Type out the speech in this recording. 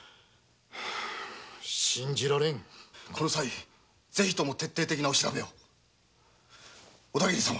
この際ぜひとも徹底的なお調べを小田切様！